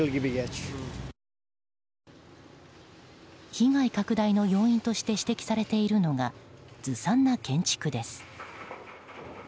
被害拡大の要因として指摘されているのがずさんな建築です。